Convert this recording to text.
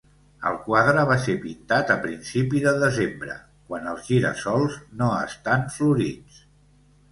El quadre va ser pintar a principi de desembre, quan els gira-sols no estan florits.